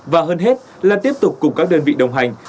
và hơn hết là tiếp tục cùng các đơn vị đồng hành